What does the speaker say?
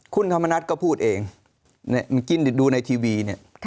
คุณธรรมนัฐก็พูดเองเมื่อกี้ดูในทีวีเนี่ย